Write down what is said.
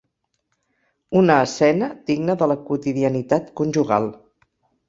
Una escena digna de la quotidianitat conjugal.